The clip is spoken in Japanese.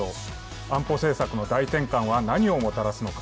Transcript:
安保政策の大転換は何をもたらすのか。